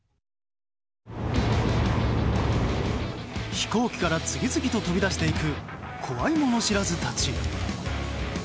飛行機から次々と飛び出していく怖いもの知らずたち。